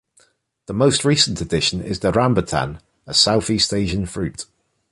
The most recent addition is the rambutan, a southeast Asian fruit.